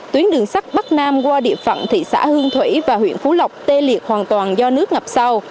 thăm qua địa phận thị xã hương thủy và huyện phú lộc tê liệt hoàn toàn do nước ngập sâu